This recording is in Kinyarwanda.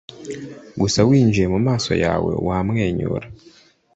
gusa winjiye mu maso yawe wamwenyura.